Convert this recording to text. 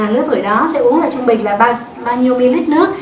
lứa tuổi đó sẽ uống là trung bình là bao nhiêu ml nước